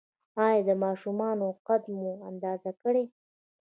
ایا د ماشومانو قد مو اندازه کړی؟